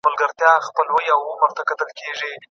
ماشوم په ډېرې بې صبرۍ سره د انا خبرې ته کتل.